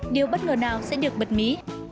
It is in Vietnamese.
điều bất ngờ nào sẽ được bật mí